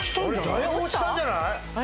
だいぶ落ちたんじゃない？